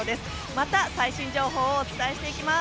また、最新情報をお伝えしていきます。